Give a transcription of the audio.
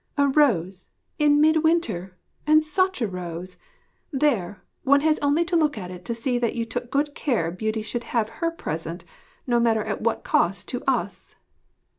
A rose, in mid winter! and such a rose! There one has only to look at it to see that you took good care Beauty should have her present, no matter at what cost to us!'